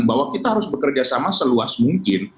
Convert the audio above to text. bahwa kita harus bekerja sama seluas mungkin